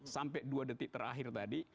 sampai dua detik terakhir tadi